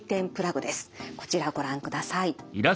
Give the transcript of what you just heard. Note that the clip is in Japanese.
こちらご覧ください。